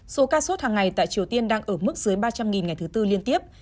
số ca sốt hàng ngày tại triều tiên đang ở mức dưới ba trăm linh ngày thứ tư liên tiếp